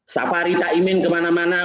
safari caimin kemana mana